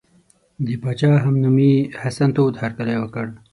د پاچا همنومي حسن تود هرکلی وکړ.